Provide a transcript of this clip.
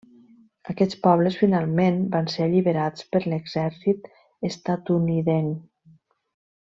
Aquests pobles finalment van ser alliberats per l'exèrcit estatunidenc.